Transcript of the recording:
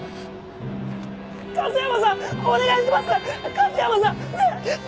勝山さん